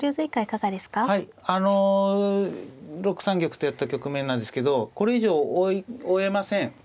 ６三玉とやった局面なんですけどこれ以上追えません。